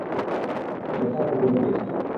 কোথায় কবর দিয়েছেন?